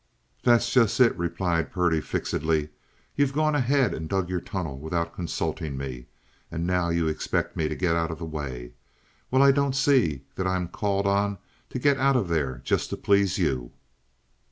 "That's just it," replied Purdy, fixedly. "You've gone ahead and dug your tunnel without consulting me, and now you expect me to get out of the way. Well, I don't see that I'm called on to get out of there just to please you."